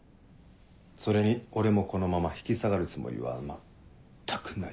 それに俺もこのまま引き下がるつもりは全くない。